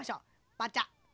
バチャッ。